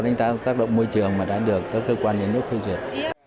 đánh tác tác động môi trường mà đã được các cơ quan nhà nước khuyên truyền